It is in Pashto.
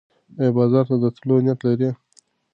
ایا بازار ته د تلو نیت لرې؟